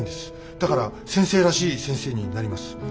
だから先生らしい先生になります。